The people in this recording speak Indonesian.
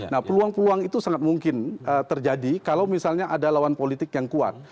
nah peluang peluang itu sangat mungkin terjadi kalau misalnya ada lawan politik yang kuat